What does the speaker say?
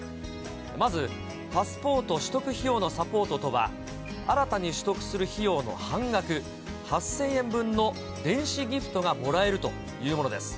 まず、パスポート取得費用のサポートとは、新たに取得する費用の半額、８０００円分の電子ギフトがもらえるというものです。